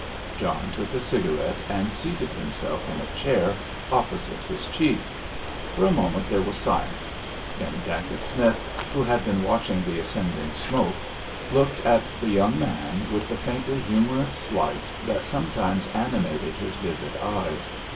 John took a cigarette, and seated himself in a chair opposite his Chief. For a moment there was silence, then Dacent Smith, who had been watching the ascending smoke, looked at the younger man with the faintly humorous light that sometimes animated his vivid eyes.